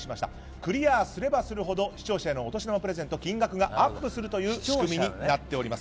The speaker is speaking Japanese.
クリアすればするほど視聴者へのお年玉プレゼントが金額がアップするという仕組みになっております。